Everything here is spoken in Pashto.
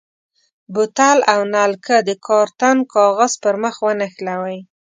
بوتل او نلکه د کارتن کاغذ پر مخ ونښلوئ.